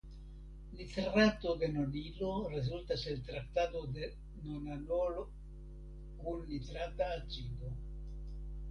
Nitrato de nonilo rezultas el traktado de nonanolo kun nitrata acido.